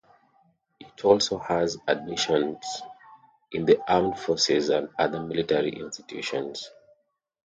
It also has administrations in the armed forces and other military institutions.